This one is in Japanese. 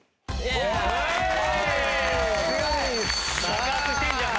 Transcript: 爆発してんじゃん！